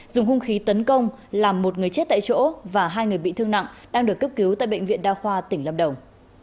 dùng hung khí tấn công làm một người chết tại chỗ và hai người bị thương nặng đang được cấp cứu tại bệnh viện đa khoa tỉnh lâm đồng